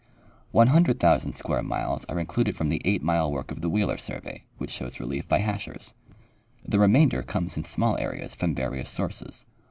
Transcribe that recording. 100,000 square miles are included from the 8 mile work of the Wheeler survey, which shows relief by hachures. The remainder comes in small areas from various sources.